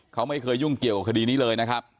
เขาไม่เคยยุ่งเกี่ยวกับคดีนี้เลยนะครับ